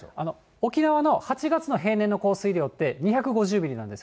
沖縄の８月の平年の降水量って、２５０ミリなんです。